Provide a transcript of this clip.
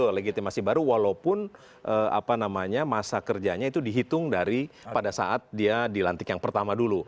ada legitimasi baru walaupun masa kerjanya itu dihitung dari pada saat dia dilantik yang pertama dulu